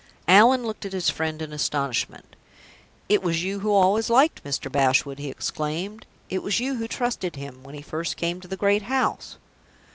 Allan looked at his friend in astonishment. "It was you who always liked Mr. Bashwood!" he exclaimed. "It was you who trusted him, when he first came to the great house!"